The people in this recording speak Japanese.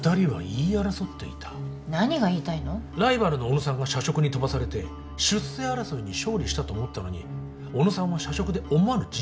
ライバルの小野さんが社食に飛ばされて出世争いに勝利したと思ったのに小野さんは社食で思わぬ実績を上げた。